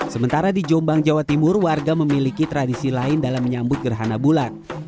sementara di jombang jawa timur warga memiliki tradisi lain dalam menyambut gerhana bulan